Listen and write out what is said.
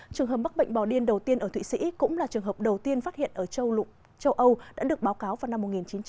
trường hợp bắc bệnh bò điên đầu tiên ở thụy sĩ cũng là trường hợp đầu tiên phát hiện ở châu âu đã được báo cáo vào năm một nghìn chín trăm chín mươi